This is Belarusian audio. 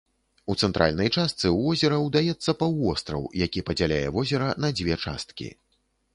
У цэнтральнай частцы ў возера удаецца паўвостраў, які падзяляе возера на дзве часткі.